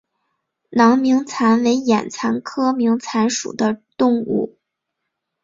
囊明蚕为眼蚕科明蚕属的动物。